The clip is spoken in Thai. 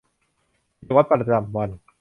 กิจวัตรประจำวัน